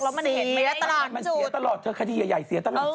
แล้วมันเห็นไม่ได้ตลาดมันเสียตลอดเธอคดีใหญ่เสียตลอด